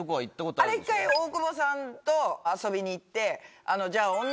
あれ一回大久保さんと遊びに行って。